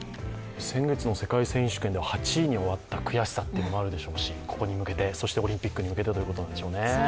先月の世界選手権で８位で終わった悔しさっていうのもあると思いますし、ここに向けて、そしてオリンピックに向けてということなんでしょうね。